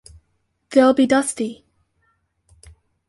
They’ll be dusty.